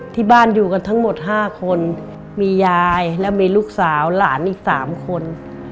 ที่บ้านอยู่กันทั้งหมด๕คนมียายและมีลูกสาวหลานอีก๓คน